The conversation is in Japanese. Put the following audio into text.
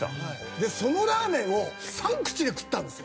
でそのラーメンを３口で食ったんですよ。